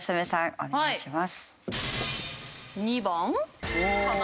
お願いします。